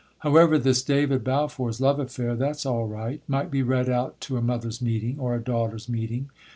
However, this David Balfour's love affair, that's all right might be read out to a mothers' meeting or a daughters' meeting.